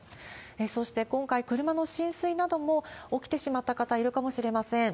そして今回、車の浸水なども起きてしまった方、いるかもしれません。